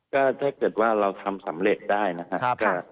ก็ถ้าเกิดว่าเราทำสำเร็จได้นะครับ